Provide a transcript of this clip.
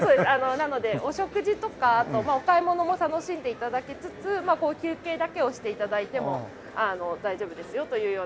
なのでお食事とかあとお買い物も楽しんで頂きつつ休憩だけをして頂いても大丈夫ですよというような。